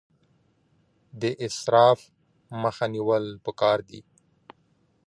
د اسراف مخه نیول پکار دي